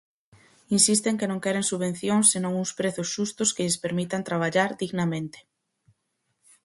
Insisten que non queren subvencións senón uns prezos xustos que lles permitan traballar dignamente.